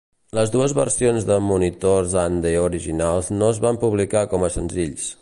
Les dues versions de Monitors and the Originals no es van publicar com a senzills.